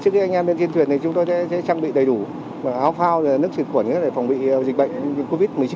trước khi anh em lên trên thuyền thì chúng tôi sẽ trang bị đầy đủ áo phao nước trực quẩn để phòng bị dịch bệnh covid một mươi chín